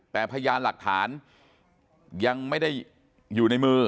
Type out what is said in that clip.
แต่พยานหลักฐานยังไม่ได้อยู่ในมือ